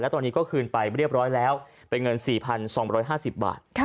ตอนนี้ก็คืนไปเรียบร้อยแล้วเป็นเงิน๔๒๕๐บาท